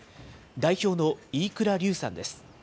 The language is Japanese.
代表の飯倉竜さんです。